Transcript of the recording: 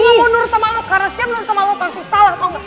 gue gak mau nurut sama lo karena setiap nurut sama lo pasti salah tau gak